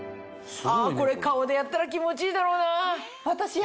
これ顔でやったら気持ちいいだろうな。